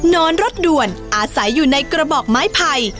นอนรถด่วนอาศัยอยู่ในกระบอกไม้ไผ่